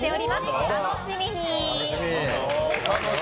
お楽しみに。